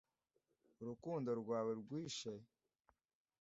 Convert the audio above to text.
urukundo rwawe rwishe;